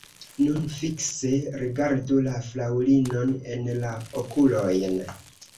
Nun fikse rigardu la fraŭlinon en la okulojn.